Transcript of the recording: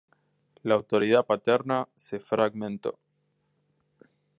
La autoridad paterna se fragmentó.